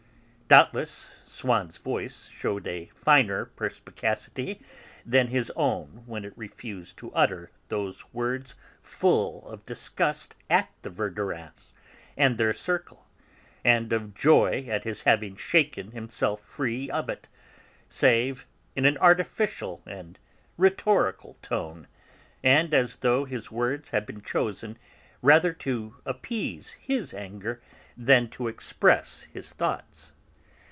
Doubtless Swann's voice shewed a finer perspicacity than his own when it refused to utter those words full of disgust at the Verdurins and their circle, and of joy at his having shaken himself free of it, save in an artificial and rhetorical tone, and as though his words had been chosen rather to appease his anger than to express his thoughts.